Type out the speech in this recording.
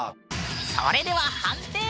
それでは判定！